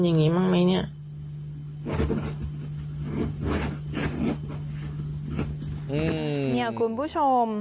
เนี่ยคุณผู้ชม